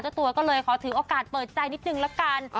ตัวก็เลยขอถือโอกาสเปิดใจนิดนึงละกัน